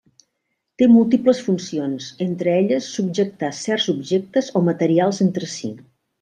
Té múltiples funcions, entre elles subjectar certs objectes o materials entre si.